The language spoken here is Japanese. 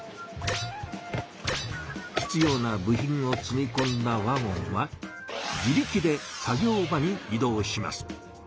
必要な部品を積みこんだワゴンは自力で作業場にい動します。